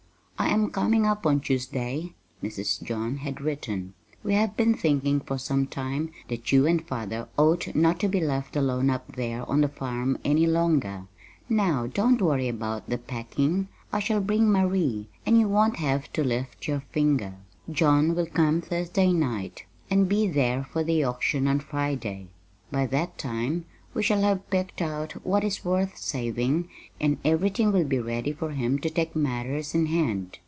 I am coming up on Tuesday [Mrs. John had written]. We have been thinking for some time that you and father ought not to be left alone up there on the farm any longer. Now don't worry about the packing. I shall bring Marie, and you won't have to lift your finger. John will come Thursday night, and be there for the auction on Friday. By that time we shall have picked out what is worth saving, and everything will be ready for him to take matters in hand.